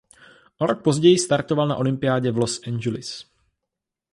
O rok později startoval na olympiádě v Los Angeles.